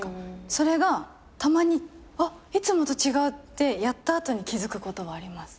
それがたまにあっいつもと違うってやった後に気付くことはあります。